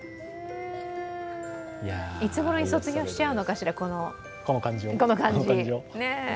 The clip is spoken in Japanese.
いつごろに卒業しちゃうのかしら、この感じ。